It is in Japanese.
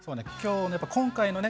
今回のね